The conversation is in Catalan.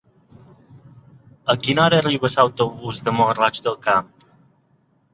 A quina hora arriba l'autobús de Mont-roig del Camp?